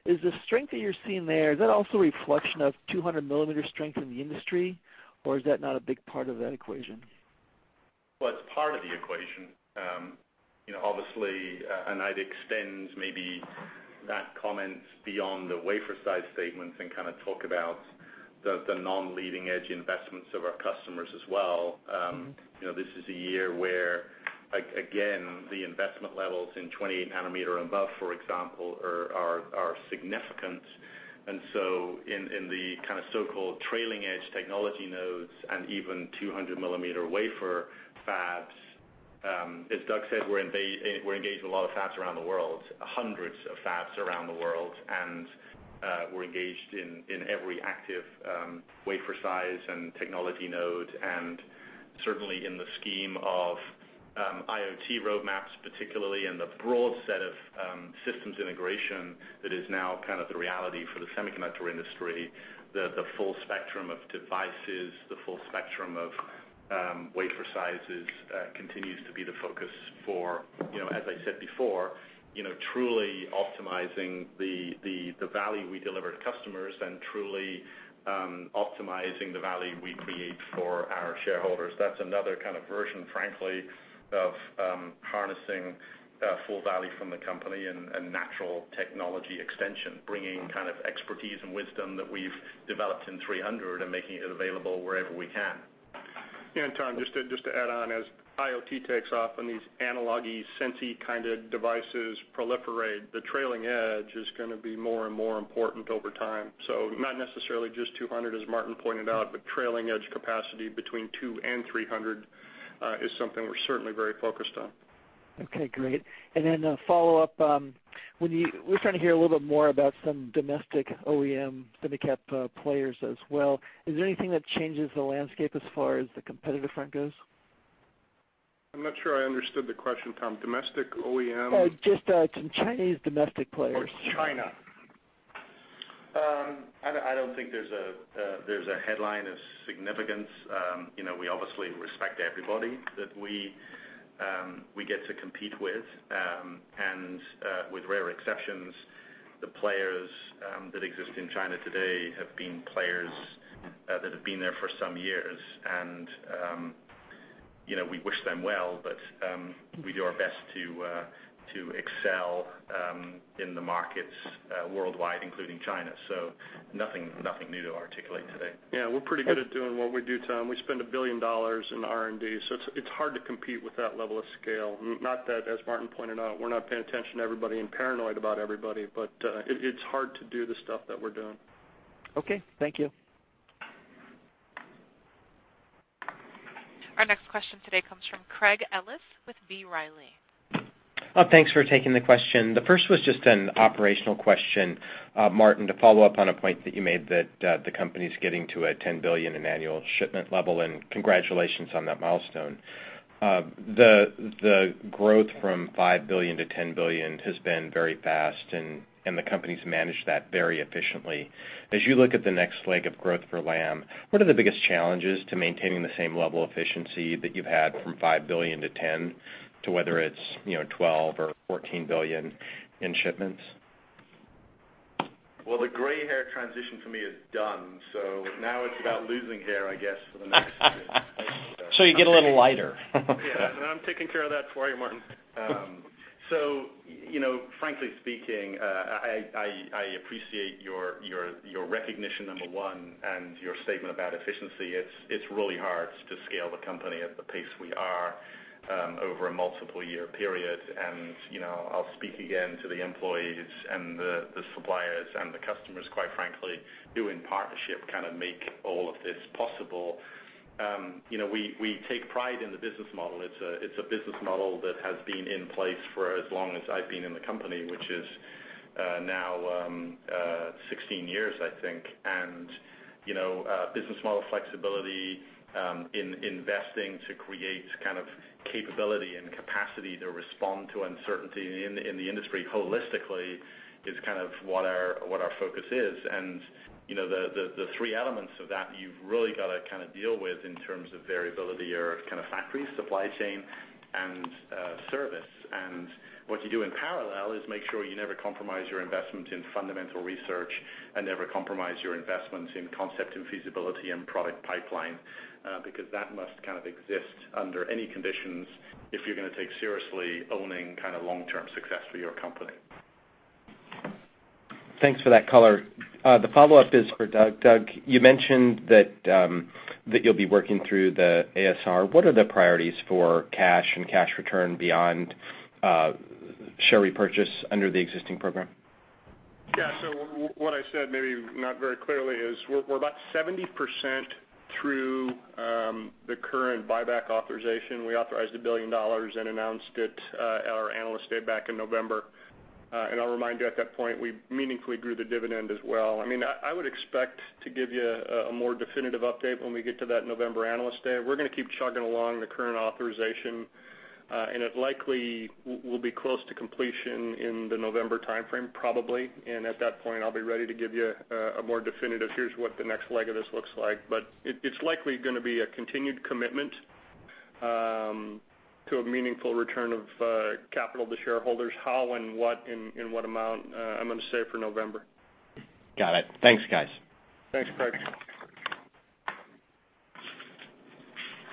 Is the strength that you're seeing there, is that also a reflection of 200 millimeter strength in the industry, or is that not a big part of that equation? Well, it's part of the equation. Obviously, and I'd extend maybe that comment beyond the wafer size statements and kind of talk about the non-leading edge investments of our customers as well. This is a year where, again, the investment levels in 28 nanometer and above, for example, are significant. In the kind of so-called trailing edge technology nodes and even 200 millimeter wafer fabs, as Doug said, we're engaged in a lot of fabs around the world, hundreds of fabs around the world. We're engaged in every active wafer size and technology node, certainly in the scheme of IoT roadmaps, particularly in the broad set of systems integration that is now kind of the reality for the semiconductor industry, the full spectrum of devices, the full spectrum of wafer sizes continues to be the focus for, as I said before, truly optimizing the value we deliver to customers and truly optimizing the value we create for our shareholders. That's another kind of version, frankly, of harnessing full value from the company and natural technology extension, bringing kind of expertise and wisdom that we've developed in 300 and making it available wherever we can. Tom, just to add on, as IoT takes off and these analog, sensor kind of devices proliferate, the trailing-edge is going to be more and more important over time. Not necessarily just 200, as Martin pointed out, but trailing-edge capacity between 2 and 300 is something we're certainly very focused on. Okay, great. Then a follow-up. We're trying to hear a little bit more about some domestic OEM semi cap players as well. Is there anything that changes the landscape as far as the competitive front goes? I'm not sure I understood the question, Tom. Domestic OEM? Just some Chinese domestic players. Oh, China. I don't think there's a headline of significance. We obviously respect everybody that we get to compete with. With rare exceptions, the players that exist in China today have been players that have been there for some years. We wish them well, but we do our best to excel in the markets worldwide, including China. Nothing new to articulate today. Yeah, we're pretty good at doing what we do, Tom. We spend $1 billion in R&D, it's hard to compete with that level of scale. Not that, as Martin pointed out, we're not paying attention to everybody and paranoid about everybody, but it's hard to do the stuff that we're doing. Okay, thank you. Our next question today comes from Craig Ellis with B. Riley. Thanks for taking the question. The first was just an operational question, Martin, to follow up on a point that you made, that the company's getting to a $10 billion in annual shipment level, and congratulations on that milestone. The growth from $5 billion to $10 billion has been very fast, and the company's managed that very efficiently. As you look at the next leg of growth for Lam, what are the biggest challenges to maintaining the same level of efficiency that you've had from $5 billion to $10 billion, to whether it's $12 billion or $14 billion in shipments? Well, the gray hair transition for me is done. Now it's about losing hair, I guess. You get a little lighter. Yeah. I'm taking care of that for you, Martin. Frankly speaking, I appreciate your recognition, number one, and your statement about efficiency. It's really hard to scale the company at the pace we are over a multiple year period. I'll speak again to the employees and the suppliers and the customers, quite frankly, who in partnership kind of make all of this possible. We take pride in the business model. It's a business model that has been in place for as long as I've been in the company, which is now 16 years, I think. Business model flexibility, investing to create kind of capability and capacity to respond to uncertainty in the industry holistically is kind of what our focus is. The three elements of that, you've really got to kind of deal with in terms of variability are kind of factory supply chain and service. What you do in parallel is make sure you never compromise your investment in fundamental research and never compromise your investment in concept and feasibility and product pipeline. That must kind of exist under any conditions if you're going to take seriously owning long-term success for your company. Thanks for that color. The follow-up is for Doug. Doug, you mentioned that you'll be working through the ASR. What are the priorities for cash and cash return beyond share repurchase under the existing program? Yeah. What I said, maybe not very clearly, is we're about 70% through the current buyback authorization. We authorized $1 billion and announced it at our Analyst Day back in November. I'll remind you, at that point, we meaningfully grew the dividend as well. I would expect to give you a more definitive update when we get to that November Analyst Day. We're going to keep chugging along the current authorization, and it likely will be close to completion in the November timeframe, probably. At that point, I'll be ready to give you a more definitive, here's what the next leg of this looks like. It's likely going to be a continued commitment to a meaningful return of capital to shareholders. How and what, in what amount, I'm going to save for November. Got it. Thanks, guys. Thanks, Craig.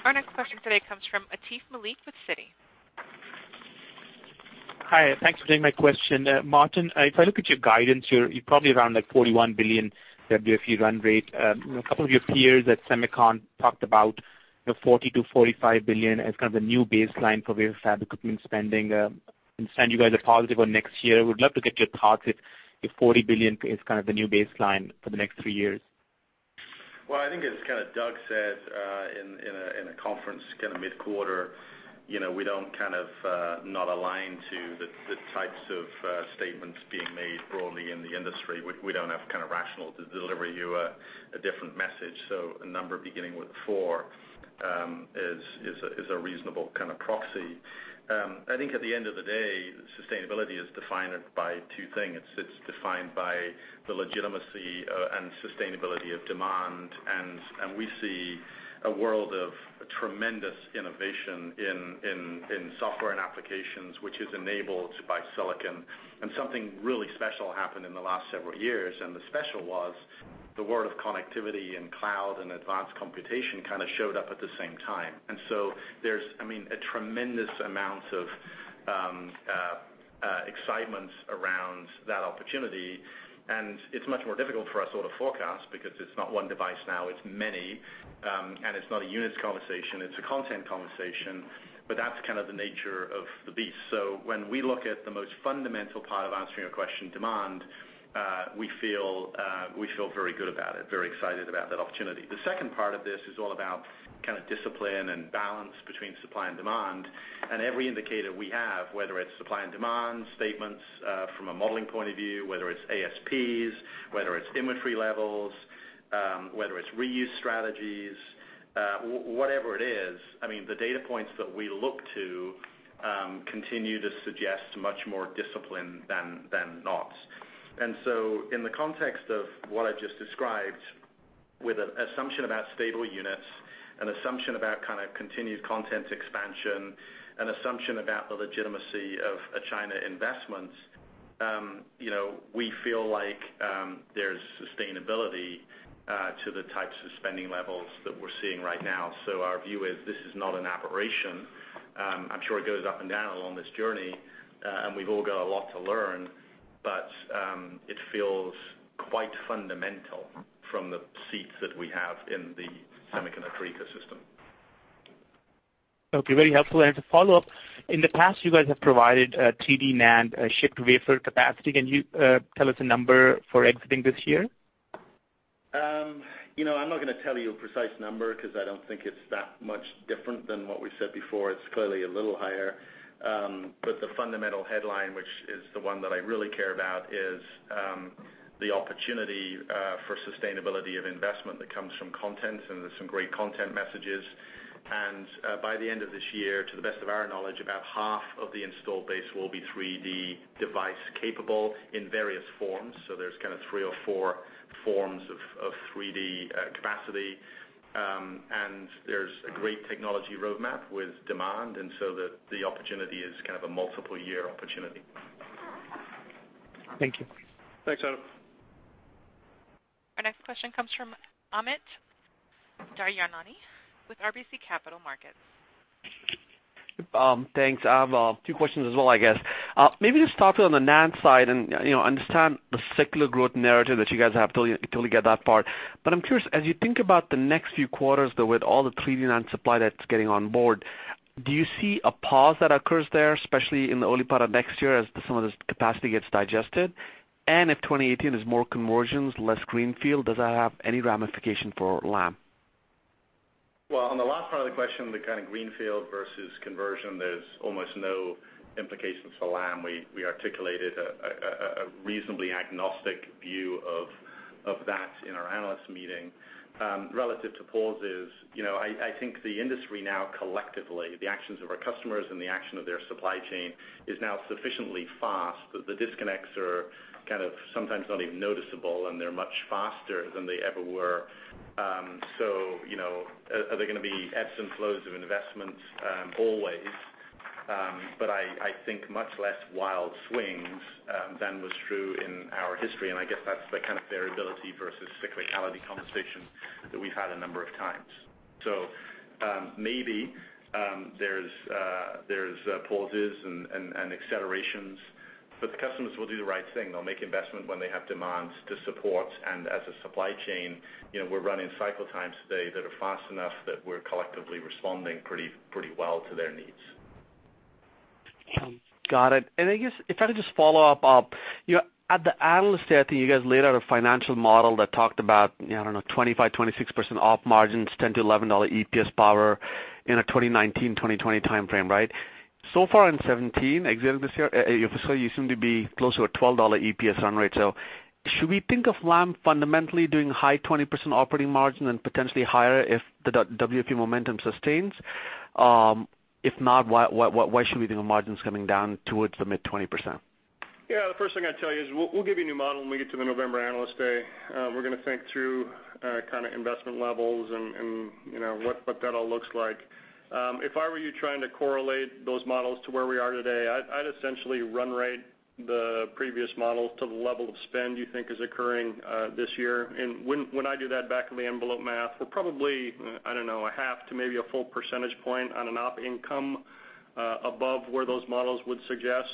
Our next question today comes from Atif Malik with Citi. Hi, thanks for taking my question. Martin, if I look at your guidance, you're probably around like $41 billion WFE run rate. A couple of your peers at SEMICON talked about the $40 billion-$45 billion as kind of the new baseline for wafer fab equipment spending. You guys are positive on next year. Would love to get your thoughts if $40 billion is kind of the new baseline for the next three years? Well, I think as Doug said, in a conference kind of mid-quarter, we don't kind of not align to the types of statements being made broadly in the industry. We don't have kind of rationale to deliver you a different message. A number beginning with four is a reasonable kind of proxy. I think at the end of the day, sustainability is defined by two things. It's defined by the legitimacy and sustainability of demand, and we see a world of tremendous innovation in software and applications, which is enabled by Silicon. Something really special happened in the last several years, and the special was the world of connectivity and cloud and advanced computation kind of showed up at the same time. There's a tremendous amount of excitement around that opportunity, and it's much more difficult for us all to forecast because it's not one device now, it's many. It's not a units conversation, it's a content conversation, but that's kind of the nature of the beast. When we look at the most fundamental part of answering your question, demand, we feel very good about it, very excited about that opportunity. The second part of this is all about discipline and balance between supply and demand. Every indicator we have, whether it's supply and demand statements from a modeling point of view, whether it's ASPs, whether it's inventory levels, whether it's reuse strategies, whatever it is, the data points that we look to continue to suggest much more discipline than not. In the context of what I just described, with an assumption about stable units, an assumption about kind of continued content expansion, an assumption about the legitimacy of a China investment, we feel like there's sustainability to the types of spending levels that we're seeing right now. Our view is this is not an aberration. I'm sure it goes up and down along this journey, and we've all got a lot to learn, but it feels quite fundamental from the seats that we have in the semiconductor ecosystem. Okay, very helpful. To follow up, in the past, you guys have provided 3D NAND shipped wafer capacity. Can you tell us a number for exiting this year? I'm not going to tell you a precise number because I don't think it's that much different than what we said before. It's clearly a little higher. The fundamental headline, which is the one that I really care about, is the opportunity for sustainability of investment that comes from content, and there's some great content messages. By the end of this year, to the best of our knowledge, about half of the installed base will be 3D device capable in various forms. There's kind of three or four forms of 3D capacity. There's a great technology roadmap with demand, the opportunity is kind of a multiple year opportunity. Thank you. Thanks, Atif. Our next question comes from Amit Daryanani with RBC Capital Markets. Thanks. I have two questions as well, I guess. Maybe just start with on the NAND side and understand the secular growth narrative that you guys have, totally get that part. I'm curious, as you think about the next few quarters, though, with all the 3D NAND supply that's getting on board, do you see a pause that occurs there, especially in the early part of next year as some of this capacity gets digested? And if 2018 is more conversions, less greenfield, does that have any ramification for Lam? Well, on the last part of the question, the kind of greenfield versus conversion, there's almost no implications for Lam. We articulated a reasonably agnostic view of that in our analyst meeting. Relative to pauses, I think the industry now collectively, the actions of our customers and the action of their supply chain, is now sufficiently fast that the disconnects are kind of sometimes not even noticeable, and they're much faster than they ever were. Are there going to be ebbs and flows of investments? Always. I think much less wild swings than was true in our history, and I guess that's the kind of variability versus cyclicality conversation that we've had a number of times. Maybe there's pauses and accelerations, but the customers will do the right thing. They'll make investment when they have demands to support. As a supply chain, we're running cycle times today that are fast enough that we're collectively responding pretty well to their needs. Got it. I guess, if I could just follow up. At the Analyst Day, I think you guys laid out a financial model that talked about, I don't know, 25%-26% op margins, $10-$11 EPS power in a 2019, 2020 timeframe, right? Far in 2017, exiting this year, you seem to be close to a $12 EPS run rate. Should we think of Lam fundamentally doing high 20% operating margin and potentially higher if the WFE momentum sustains? If not, why should we think of margins coming down towards the mid-20%? Yeah, the first thing I'd tell you is we'll give you a new model when we get to the November Analyst Day. We're going to think through kind of investment levels and what that all looks like. If I were you trying to correlate those models to where we are today, I'd essentially run rate the previous models to the level of spend you think is occurring this year. When I do that back-of-the-envelope math, we're probably, I don't know, a half to maybe a full percentage point on an op income above where those models would suggest.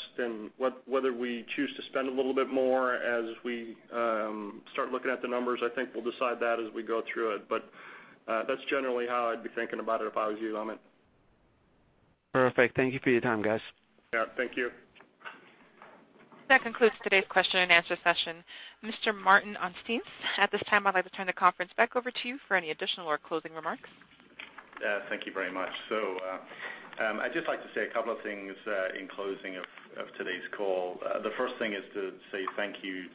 Whether we choose to spend a little bit more as we start looking at the numbers, I think we'll decide that as we go through it. That's generally how I'd be thinking about it if I was you, Amit. Perfect. Thank you for your time, guys. Yeah, thank you. That concludes today's question and answer session. Mr. Martin Anstice, at this time, I'd like to turn the conference back over to you for any additional or closing remarks. Yeah. Thank you very much. I'd just like to say a couple of things in closing of today's call. The first thing is to say thank you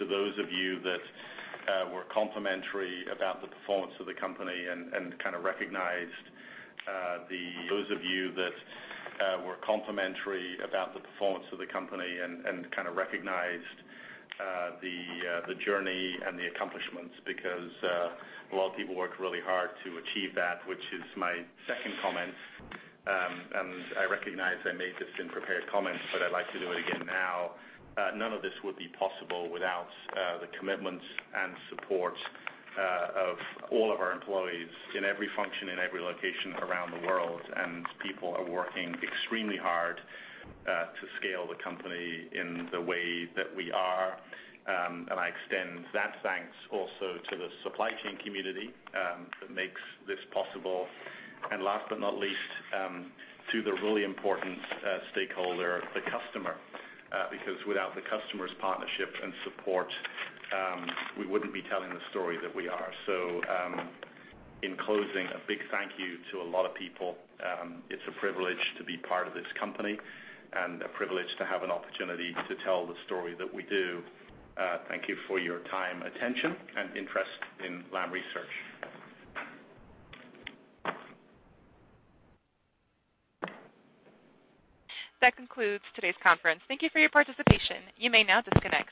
to those of you that were complimentary about the performance of the company and kind of recognized the journey and the accomplishments because a lot of people worked really hard to achieve that, which is my second comment. I recognize I made this in prepared comments, but I'd like to do it again now. None of this would be possible without the commitment and support of all of our employees in every function, in every location around the world, and people are working extremely hard to scale the company in the way that we are. I extend that thanks also to the supply chain community that makes this possible. Last but not least, to the really important stakeholder, the customer, because without the customer's partnership and support, we wouldn't be telling the story that we are. In closing, a big thank you to a lot of people. It's a privilege to be part of this company and a privilege to have an opportunity to tell the story that we do. Thank you for your time, attention, and interest in Lam Research. That concludes today's conference. Thank you for your participation. You may now disconnect.